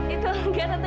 itu enggak tante